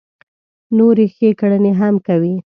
نورې ښې کړنې هم کوي.